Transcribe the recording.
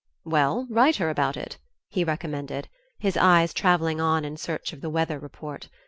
"Well, write her about it," he recommended, his eyes travelling on in search of the weather report.